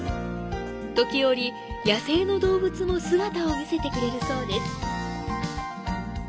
ときおり野生の動物も姿を見せてくれるそうです。